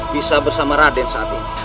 bisa bersama raden saat ini